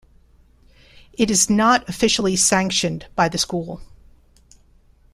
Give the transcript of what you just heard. It is not officially sanctioned by the school.